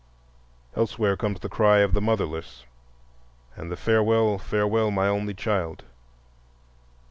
Elsewhere comes the cry of the "motherless" and the "Farewell, farewell, my only child."